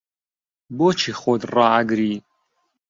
بۆچی خۆت ڕائەگری؟